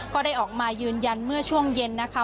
ก็ได้ออกมายืนยันเมื่อช่วงเย็นนะคะ